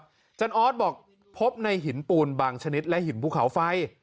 อาจารย์ออสบอกพบในหินปูนบางชนิดและหินภูเขาไฟ